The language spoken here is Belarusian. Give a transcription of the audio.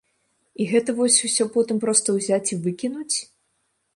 І гэта вось усё потым проста ўзяць і выкінуць?